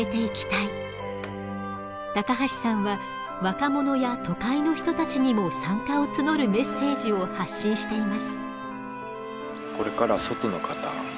橋さんは若者や都会の人たちにも参加を募るメッセージを発信しています。